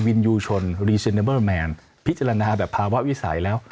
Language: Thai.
ยูชนรีเซนเตอร์แมนพิจารณาแบบภาวะวิสัยแล้ว